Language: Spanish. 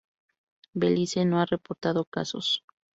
Belice no ha reportado casos.